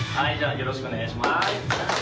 よろしくお願いします。